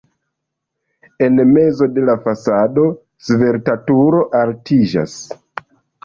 En mezo de la fasado svelta turo altiĝas.